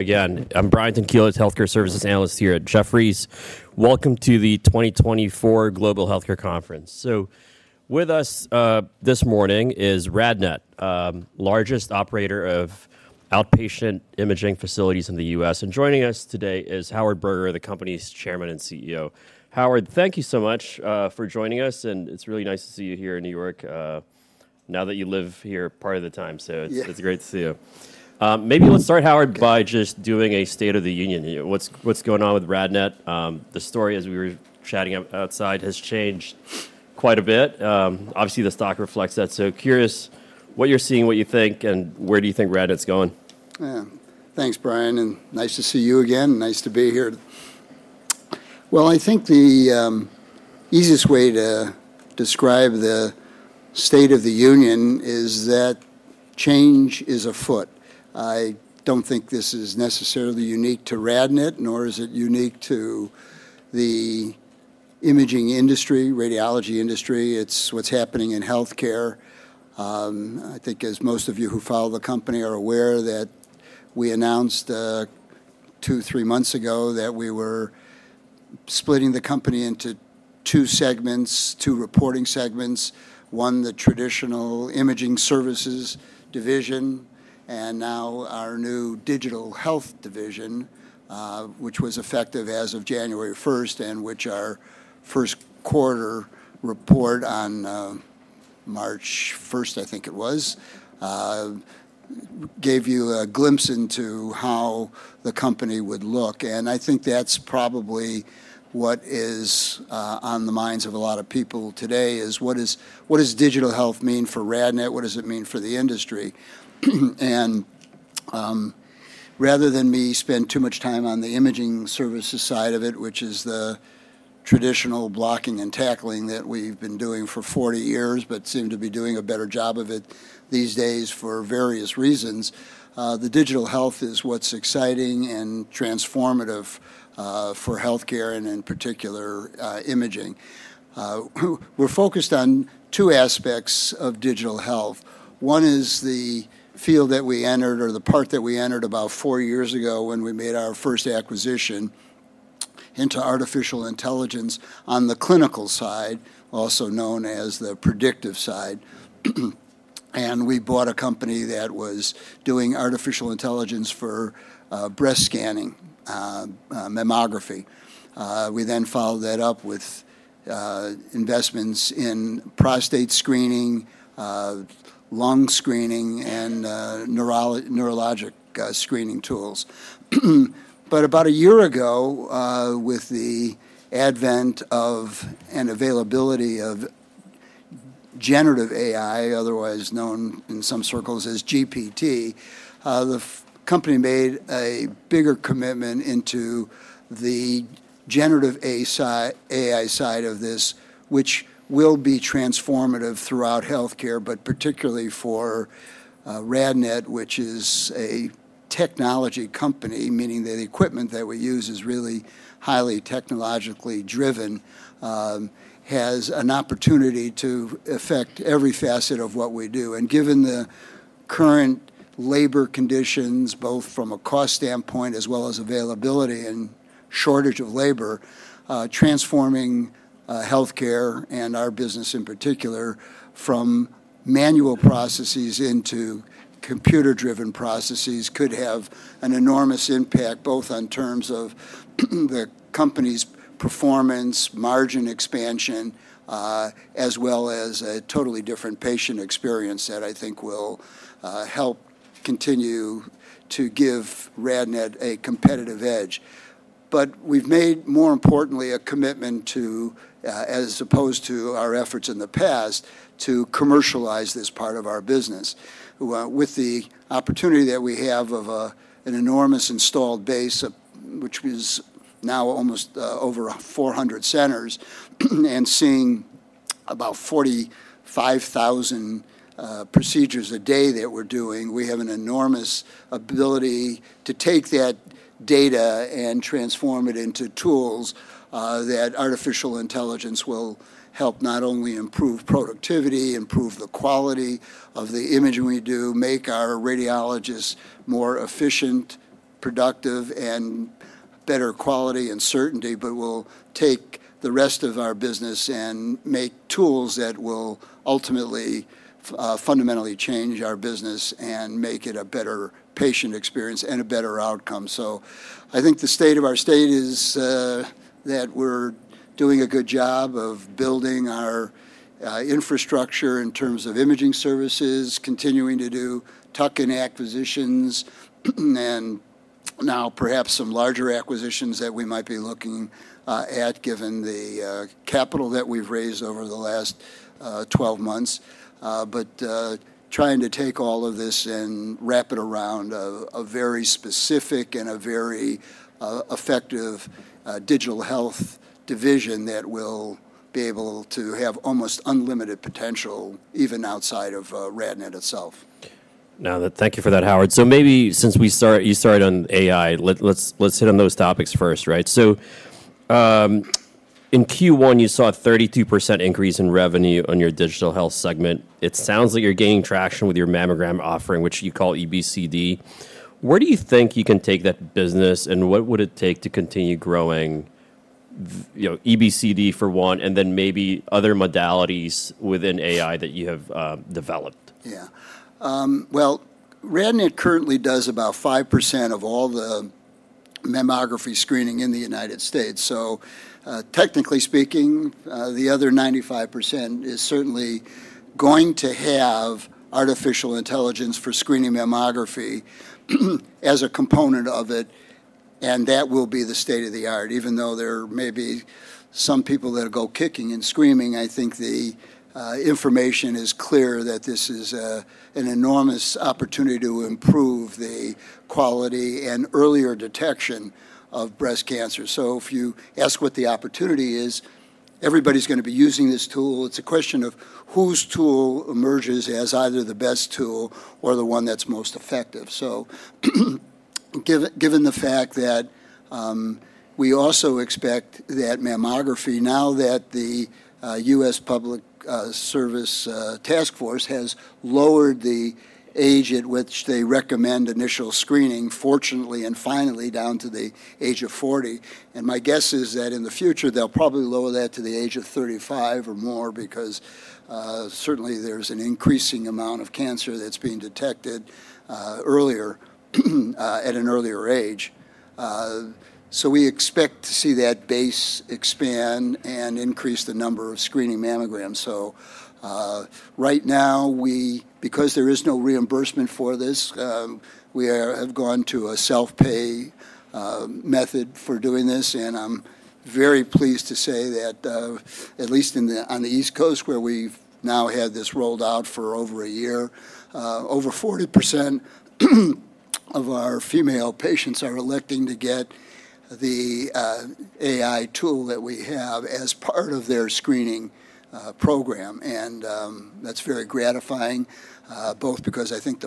Again, I'm Brian Tanquilut, Healthcare Services Analyst here at Jefferies. Welcome to the 2024 Global Healthcare Conference. With us this morning is RadNet, largest operator of outpatient imaging facilities in the U.S. Joining us today is Howard Berger, the company's Chairman and CEO. Howard, thank you so much for joining us, and it's really nice to see you here in New York, now that you live here part of the time. Yeah. So it's great to see you. Maybe let's start, Howard, by just doing a state of the union here. What's going on with RadNet? The story, as we were chatting outside, has changed quite a bit. Obviously, the stock reflects that. So curious what you're seeing, what you think, and where do you think RadNet's going? Yeah. Thanks, Brian, and nice to see you again. Nice to be here. Well, I think the easiest way to describe the state of the union is that change is afoot. I don't think this is necessarily unique to RadNet, nor is it unique to the imaging industry, radiology industry. It's what's happening in healthcare. I think as most of you who follow the company are aware that we announced 2, 3 months ago that we were splitting the company into 2 segments, 2 reporting segments. One, the traditional imaging services division, and now our new digital health division, which was effective as of January first, and which our first quarter report on March first, I think it was, gave you a glimpse into how the company would look. I think that's probably what is on the minds of a lot of people today, is what is, what does digital health mean for RadNet? What does it mean for the industry? And rather than me spend too much time on the imaging services side of it, which is the traditional blocking and tackling that we've been doing for 40 years, but seem to be doing a better job of it these days for various reasons, the digital health is what's exciting and transformative, for healthcare and in particular, imaging. We're focused on two aspects of digital health. One is the field that we entered, or the part that we entered about 4 years ago when we made our first acquisition into artificial intelligence on the clinical side, also known as the predictive side. And we bought a company that was doing artificial intelligence for breast scanning, mammography. We then followed that up with investments in prostate screening, lung screening, and neurologic screening tools. But about a year ago, with the advent of and availability of generative AI, otherwise known in some circles as GPT, the company made a bigger commitment into the generative AI side of this, which will be transformative throughout healthcare, but particularly for RadNet, which is a technology company, meaning that the equipment that we use is really highly technologically driven, has an opportunity to affect every facet of what we do. Given the current labor conditions, both from a cost standpoint as well as availability and shortage of labor, transforming healthcare and our business in particular, from manual processes into computer-driven processes, could have an enormous impact, both in terms of the company's performance, margin expansion, as well as a totally different patient experience that I think will help continue to give RadNet a competitive edge. But we've made, more importantly, a commitment to, as opposed to our efforts in the past, to commercialize this part of our business. With the opportunity that we have of an enormous installed base, which is now almost over 400 centers, and seeing about 45,000 procedures a day that we're doing, we have an enormous ability to take that data and transform it into tools that artificial intelligence will help not only improve productivity, improve the quality of the imaging we do, make our radiologists more efficient, productive, and better quality and certainty, but will take the rest of our business and make tools that will ultimately fundamentally change our business and make it a better patient experience and a better outcome. So I think the state of our state is that we're doing a good job of building our infrastructure in terms of imaging services, continuing to do tuck-in acquisitions, and now perhaps some larger acquisitions that we might be looking at, given the capital that we've raised over the last 12 months. But trying to take all of this and wrap it around a very specific and very effective digital health division that will be able to have almost unlimited potential, even outside of RadNet itself. Now, thank you for that, Howard. So maybe since you started on AI, let's hit on those topics first, right? So, in Q1, you saw a 32% increase in revenue on your digital health segment. It sounds like you're gaining traction with your mammogram offering, which you call EBCD. Where do you think you can take that business, and what would it take to continue growing, you know, EBCD for one, and then maybe other modalities within AI that you have developed? Yeah. Well, RadNet currently does about 5% of all the mammography screening in the United States. So, technically speaking, the other 95% is certainly going to have artificial intelligence for screening mammography, as a component of it, and that will be the state-of-the-art. Even though there may be some people that'll go kicking and screaming, I think the information is clear that this is an enormous opportunity to improve the quality and earlier detection of breast cancer. So if you ask what the opportunity is, everybody's gonna be using this tool. It's a question of whose tool emerges as either the best tool or the one that's most effective. So given the fact that, we also expect that mammography, now that the U.S. Preventive Services Task Force has lowered the age at which they recommend initial screening, fortunately and finally, down to the age of 40. And my guess is that in the future, they'll probably lower that to the age of 35 or more, because certainly there's an increasing amount of cancer that's being detected earlier, at an earlier age. So we expect to see that base expand and increase the number of screening mammograms. So, right now, because there is no reimbursement for this, we have gone to a self-pay method for doing this, and I'm very pleased to say that, at least on the East Coast, where we've now had this rolled out for over a year, over 40% of our female patients are electing to get the AI tool that we have as part of their screening program. And, that's very gratifying, both because I think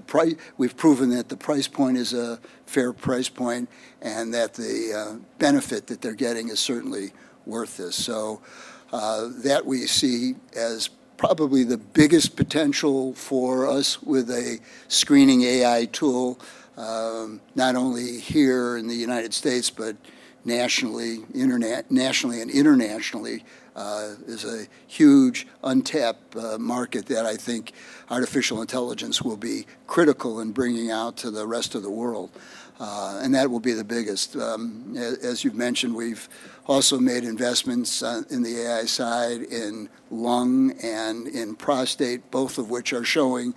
we've proven that the price point is a fair price point and that the benefit that they're getting is certainly worth this. So, that we see as probably the biggest potential for us with a screening AI tool, not only here in the United States, but nationally, internationally, nationally and internationally, is a huge untapped market that I think artificial intelligence will be critical in bringing out to the rest of the world. And that will be the biggest. As you've mentioned, we've also made investments, in the AI side, in lung and in prostate, both of which are showing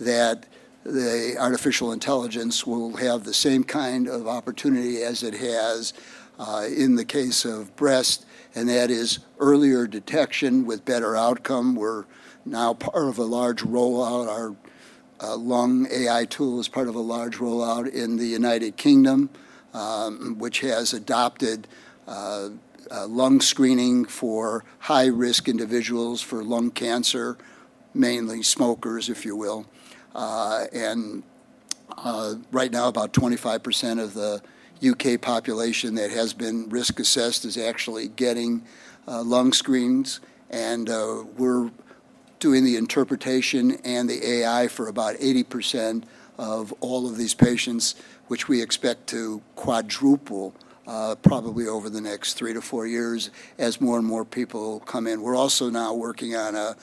that the artificial intelligence will have the same kind of opportunity as it has, in the case of breast, and that is earlier detection with better outcome. We're now part of a large rollout. Our lung AI tool is part of a large rollout in the United Kingdom, which has adopted lung screening for high-risk individuals for lung cancer, mainly smokers, if you will. And right now, about 25% of the UK population that has been risk assessed is actually getting lung screens, and we're doing the interpretation and the AI for about 80% of all of these patients, which we expect to quadruple, probably over the next 3-4 years as more and more people come in. We're also now working on a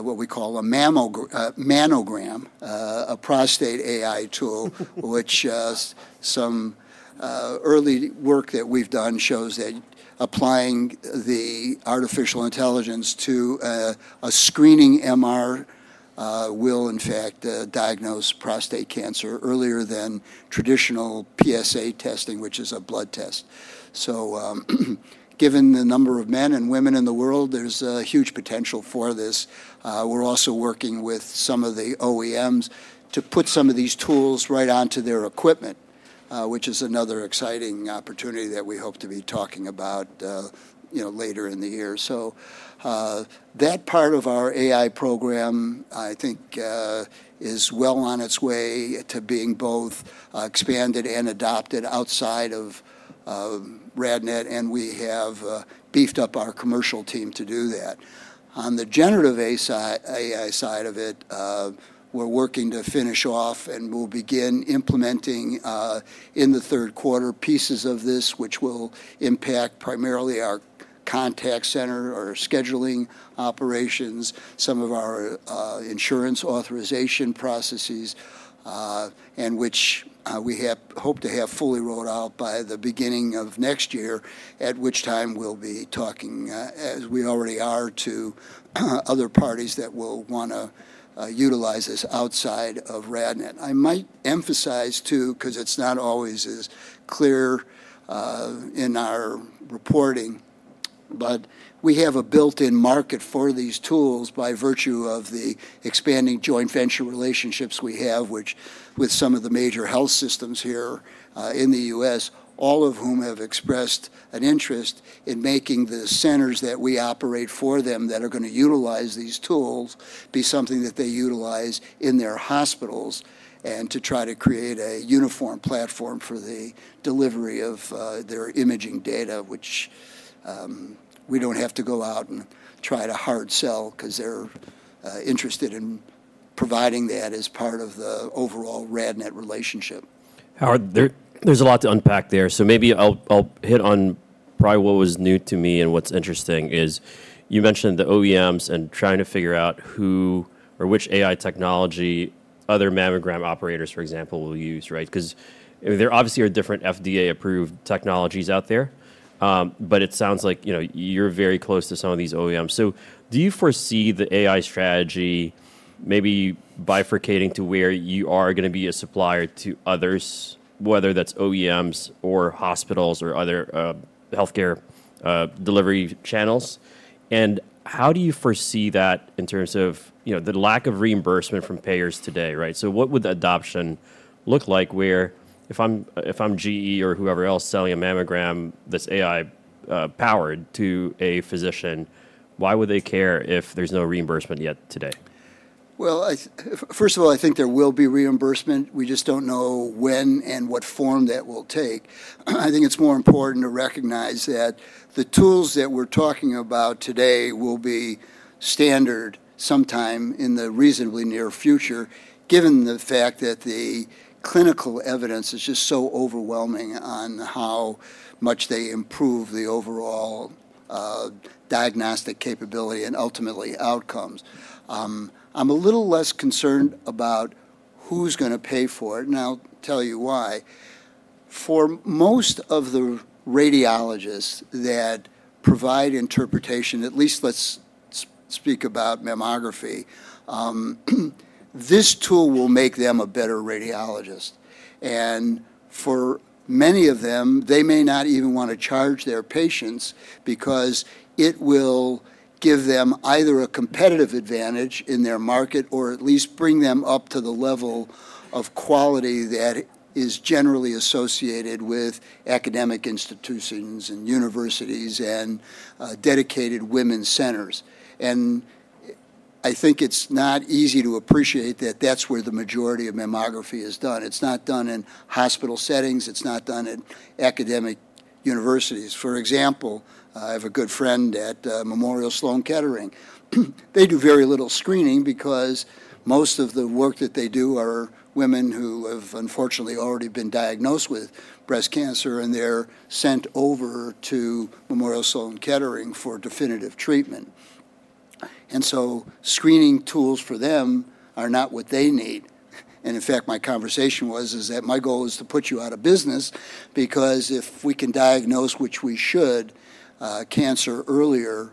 what we call a Manogram, a prostate AI tool which has some early work that we've done shows that applying the artificial intelligence to a screening MR will in fact diagnose prostate cancer earlier than traditional PSA testing, which is a blood test. So, given the number of men and women in the world, there's a huge potential for this. We're also working with some of the OEMs to put some of these tools right onto their equipment, which is another exciting opportunity that we hope to be talking about, you know, later in the year. So, that part of our AI program, I think, is well on its way to being both, expanded and adopted outside of RadNet, and we have beefed up our commercial team to do that. On the generative AI side of it, we're working to finish off, and we'll begin implementing, in the third quarter, pieces of this, which will impact primarily our contact center, our scheduling operations, some of our insurance authorization processes, and which we hope to have fully rolled out by the beginning of next year, at which time we'll be talking, as we already are, to other parties that will wanna utilize this outside of RadNet. I might emphasize, too, 'cause it's not always as clear in our reporting, but we have a built-in market for these tools by virtue of the expanding joint venture relationships we have, which with some of the major health systems here in the U.S., all of whom have expressed an interest in making the centers that we operate for them, that are gonna utilize these tools, be something that they utilize in their hospitals, and to try to create a uniform platform for the delivery of their imaging data, which we don't have to go out and try to hard sell, 'cause they're interested in providing that as part of the overall RadNet relationship. Howard, there's a lot to unpack there, so maybe I'll hit on probably what was new to me and what's interesting is, you mentioned the OEMs and trying to figure out who or which AI technology other mammogram operators, for example, will use, right? 'Cause, I mean, there obviously are different FDA-approved technologies out there. But it sounds like, you know, you're very close to some of these OEMs. So do you foresee the AI strategy maybe bifurcating to where you are gonna be a supplier to others, whether that's OEMs or hospitals or other, healthcare delivery channels? And how do you foresee that in terms of, you know, the lack of reimbursement from payers today, right? So what would the adoption look like where if I'm GE or whoever else selling a mammogram that's AI-powered to a physician, why would they care if there's no reimbursement yet today? Well, first of all, I think there will be reimbursement. We just don't know when and what form that will take. I think it's more important to recognize that the tools that we're talking about today will be standard sometime in the reasonably near future, given the fact that the clinical evidence is just so overwhelming on how much they improve the overall diagnostic capability and ultimately, outcomes. I'm a little less concerned about who's gonna pay for it, and I'll tell you why. For most of the radiologists that provide interpretation, at least let's speak about mammography, this tool will make them a better radiologist. For many of them, they may not even wanna charge their patients because it will give them either a competitive advantage in their market or at least bring them up to the level of quality that is generally associated with academic institutions, and universities, and dedicated women's centers. I think it's not easy to appreciate that that's where the majority of mammography is done. It's not done in hospital settings. It's not done at academic universities. For example, I have a good friend at Memorial Sloan Kettering. They do very little screening because most of the work that they do are women who have unfortunately already been diagnosed with breast cancer, and they're sent over to Memorial Sloan Kettering for definitive treatment. So screening tools for them are not what they need. In fact, my conversation was, is that my goal is to put you out of business because if we can diagnose, which we should, cancer earlier,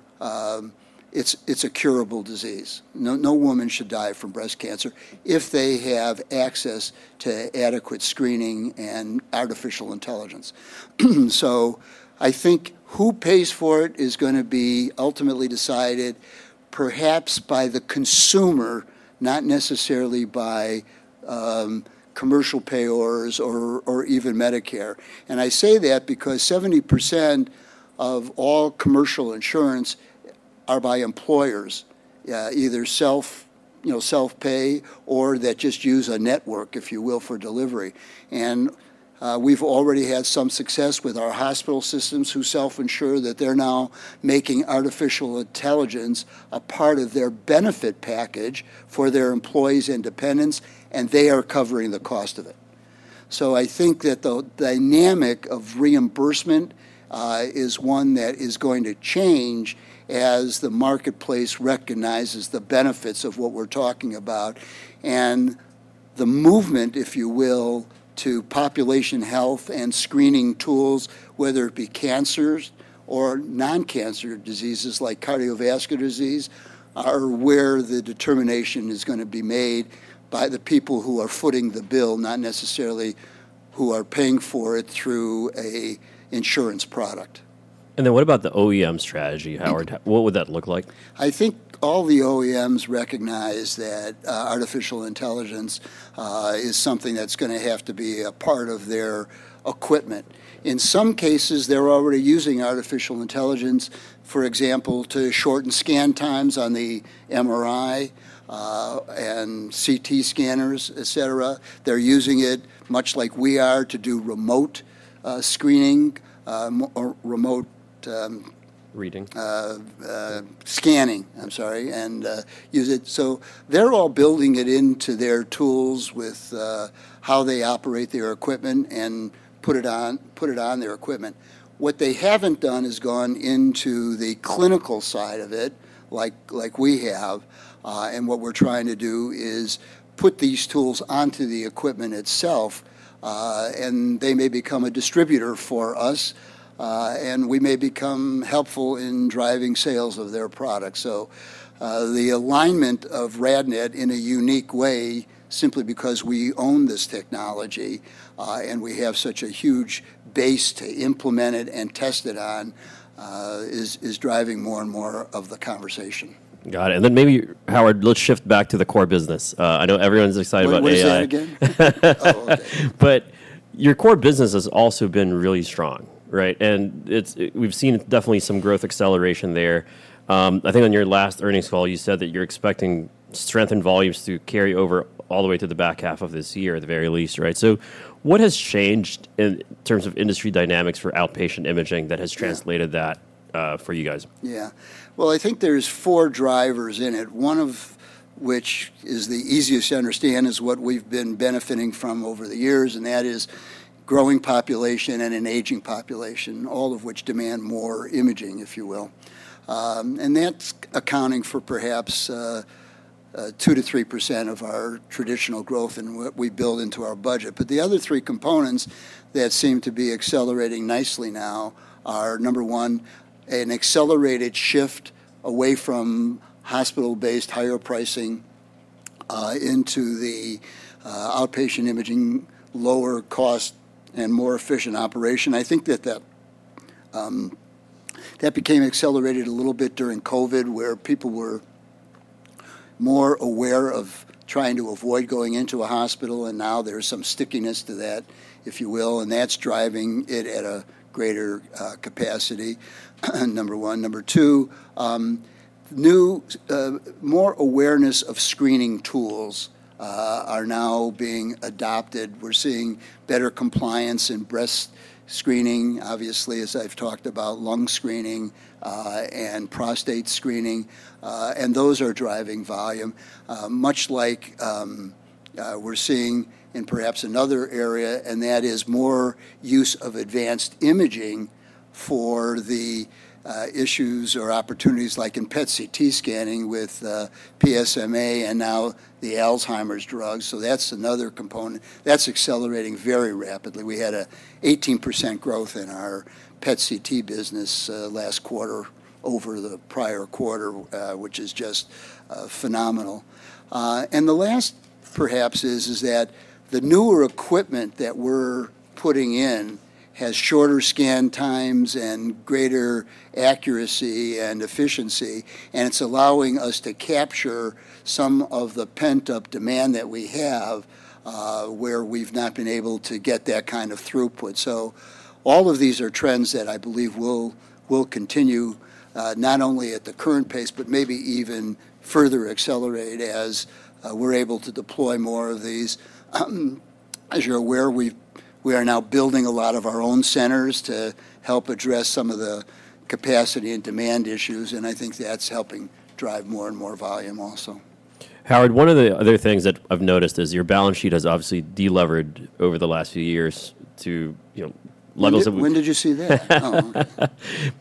it's a curable disease. No, no woman should die from breast cancer if they have access to adequate screening and artificial intelligence. So I think who pays for it is gonna be ultimately decided perhaps by the consumer, not necessarily by commercial payers or even Medicare. And I say that because 70% of all commercial insurance are by employers, either self, you know, self-pay, or that just use a network, if you will, for delivery. And we've already had some success with our hospital systems who self-insure, that they're now making artificial intelligence a part of their benefit package for their employees and dependents, and they are covering the cost of it. So I think that the dynamic of reimbursement is one that is going to change as the marketplace recognizes the benefits of what we're talking about. The movement, if you will, to population health and screening tools, whether it be cancers or non-cancer diseases like cardiovascular disease, are where the determination is gonna be made by the people who are footing the bill, not necessarily who are paying for it through an insurance product. And then, what about the OEM strategy, Howard? What would that look like? I think all the OEMs recognize that, artificial intelligence, is something that's gonna have to be a part of their equipment. In some cases, they're already using artificial intelligence, for example, to shorten scan times on the MRI, and CT scanners, et cetera. They're using it much like we are to do remote screening, or remote- Reading Scanning, I'm sorry, and use it. So they're all building it into their tools with how they operate their equipment and put it on, put it on their equipment. What they haven't done is gone into the clinical side of it, like we have. And what we're trying to do is put these tools onto the equipment itself, and they may become a distributor for us, and we may become helpful in driving sales of their product. So the alignment of RadNet in a unique way, simply because we own this technology, and we have such a huge base to implement it and test it on, is driving more and more of the conversation. Got it. And then maybe, Howard, let's shift back to the core business. I know everyone's excited about AI. Wait, what is it again? Oh, okay. But your core business has also been really strong, right? And it's, we've seen definitely some growth acceleration there. I think on your last earnings call, you said that you're expecting strength in volumes to carry over all the way to the back half of this year, at the very least, right? So what has changed in terms of industry dynamics for outpatient imaging that has translated that? for you guys? Yeah. Well, I think there's 4 drivers in it, one of which is the easiest to understand, is what we've been benefiting from over the years, and that is growing population and an aging population, all of which demand more imaging, if you will. And that's accounting for perhaps 2%-3% of our traditional growth and what we build into our budget. But the other 3 components that seem to be accelerating nicely now are, number one, an accelerated shift away from hospital-based higher pricing into the outpatient imaging, lower cost, and more efficient operation. I think that that that became accelerated a little bit during COVID, where people were more aware of trying to avoid going into a hospital, and now there's some stickiness to that, if you will, and that's driving it at a greater capacity, number one. Number two, more awareness of screening tools are now being adopted. We're seeing better compliance in breast screening, obviously, as I've talked about, lung screening, and prostate screening, and those are driving volume, much like, we're seeing in perhaps another area, and that is more use of advanced imaging for the, issues or opportunities like in PET/CT scanning with, PSMA and now the Alzheimer's drugs. So that's another component. That's accelerating very rapidly. We had an 18% growth in our PET/CT business, last quarter over the prior quarter, which is just, phenomenal. And the last, perhaps, is that the newer equipment that we're putting in has shorter scan times and greater accuracy and efficiency, and it's allowing us to capture some of the pent-up demand that we have, where we've not been able to get that kind of throughput. So all of these are trends that I believe will continue, not only at the current pace, but maybe even further accelerate as we're able to deploy more of these. As you're aware, we are now building a lot of our own centers to help address some of the capacity and demand issues, and I think that's helping drive more and more volume also. Howard, one of the other things that I've noticed is your balance sheet has obviously de-levered over the last few years to, you know, levels of- When did you see that?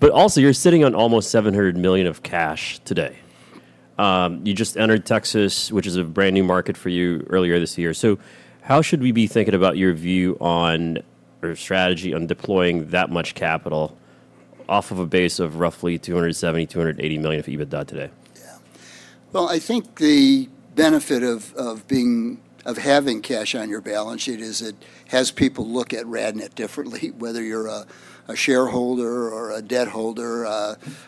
But also, you're sitting on almost $700 million of cash today. You just entered Texas, which is a brand-new market for you, earlier this year. So how should we be thinking about your view on or strategy on deploying that much capital off of a base of roughly $270 million-$280 million of EBITDA today? Yeah. Well, I think the benefit of being, of having cash on your balance sheet is it has people look at RadNet differently, whether you're a shareholder or a debt holder.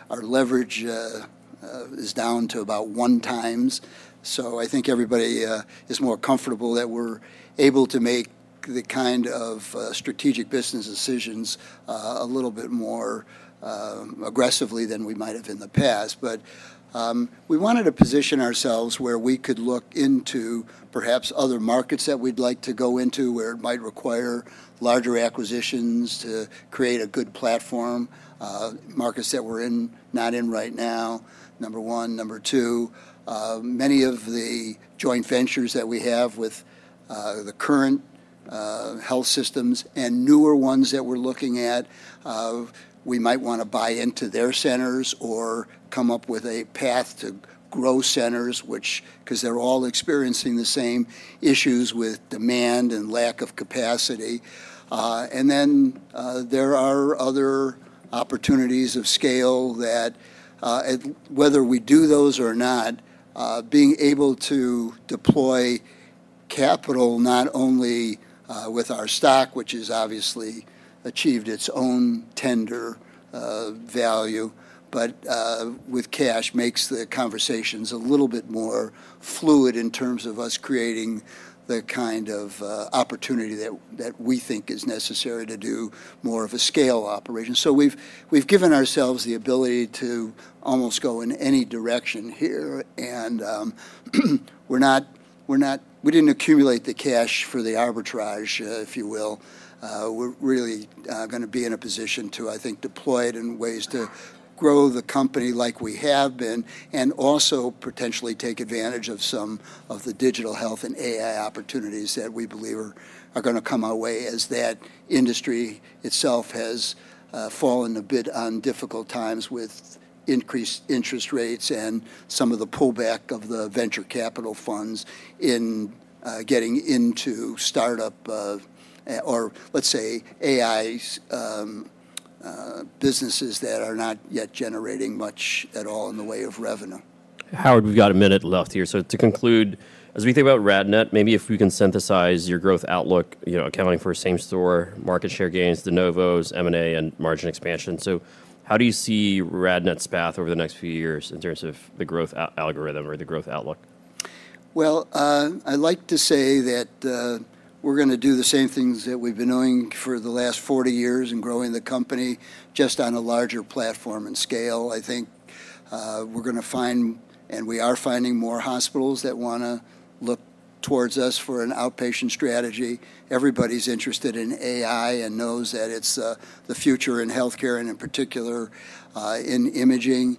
Our leverage is down to about 1x, so I think everybody is more comfortable that we're able to make the kind of strategic business decisions a little bit more aggressively than we might have in the past. But we wanted to position ourselves where we could look into perhaps other markets that we'd like to go into, where it might require larger acquisitions to create a good platform, markets that we're not in right now, number one. Number two, many of the joint ventures that we have with the current health systems and newer ones that we're looking at, we might wanna buy into their centers or come up with a path to grow centers, which, 'cause they're all experiencing the same issues with demand and lack of capacity. And then, there are other opportunities of scale that, whether we do those or not, being able to deploy capital, not only with our stock, which has obviously achieved its own tender value, but with cash, makes the conversations a little bit more fluid in terms of us creating the kind of opportunity that we think is necessary to do more of a scale operation. So we've given ourselves the ability to almost go in any direction here, and, we're not-- we didn't accumulate the cash for the arbitrage, if you will. We're really gonna be in a position to, I think, deploy it in ways to grow the company like we have been, and also potentially take advantage of some of the digital health and AI opportunities that we believe are gonna come our way, as that industry itself has fallen a bit on difficult times with increased interest rates and some of the pullback of the venture capital funds in getting into startup of, or let's say, AI's businesses that are not yet generating much at all in the way of revenue. Howard, we've got a minute left here. So to conclude, as we think about RadNet, maybe if we can synthesize your growth outlook, you know, accounting for same store, market share gains, de novos, M&A, and margin expansion. So how do you see RadNet's path over the next few years in terms of the growth algorithm or the growth outlook? Well, I'd like to say that, we're gonna do the same things that we've been doing for the last 40 years in growing the company, just on a larger platform and scale. I think, we're gonna find, and we are finding, more hospitals that wanna look towards us for an outpatient strategy. Everybody's interested in AI and knows that it's the future in healthcare and in particular, in imaging.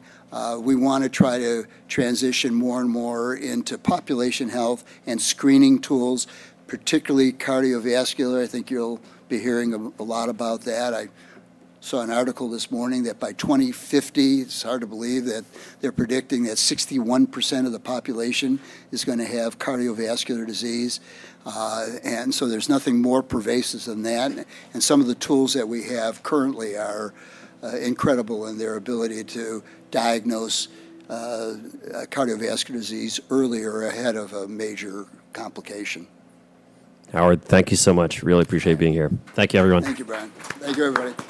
We wanna try to transition more and more into population health and screening tools, particularly cardiovascular. I think you'll be hearing a lot about that. I saw an article this morning that by 2050, it's hard to believe, that they're predicting that 61% of the population is gonna have cardiovascular disease. And so there's nothing more pervasive than that, and some of the tools that we have currently are incredible in their ability to diagnose cardiovascular disease earlier, ahead of a major complication. Howard, thank you so much. Really appreciate you being here. Thank you, everyone. Thank you, Brian. Thank you, everybody.